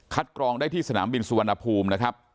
กรองได้ที่สนามบินสุวรรณภูมินะครับ